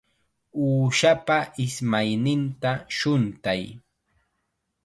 Uushapa ismayninta shuntay.